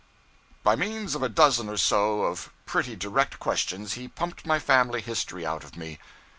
By means of a dozen or so of pretty direct questions, he pumped my family history out of me.